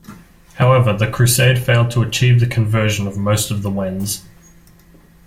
However, the crusade failed to achieve the conversion of most of the Wends.